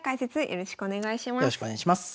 よろしくお願いします。